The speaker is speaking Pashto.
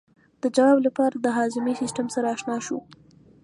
د ځواب لپاره د هاضمې سیستم سره آشنا شو.